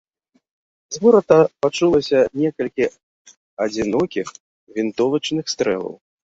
З горада пачулася некалькі адзінокіх вінтовачных стрэлаў.